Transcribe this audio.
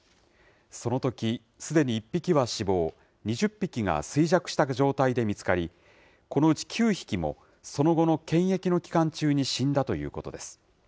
そのとき、すでに１匹は死亡、２０匹が衰弱した状態で見つかり、このうち９匹もその後の検疫の期間中に死んだということです。